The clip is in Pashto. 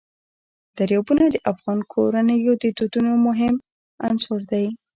دریابونه د افغان کورنیو د دودونو مهم عنصر دی.